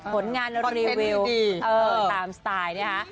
ผลงานรีวิวตามสไตล์นะคะ